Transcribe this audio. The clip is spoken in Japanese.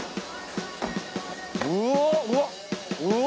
うわ！